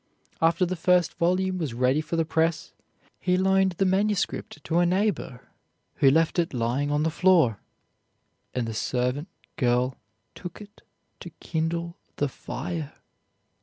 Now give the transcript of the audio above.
After the first volume was ready for the press, he loaned the manuscript to a neighbor who left it lying on the floor, and the servant girl took it to kindle the fire.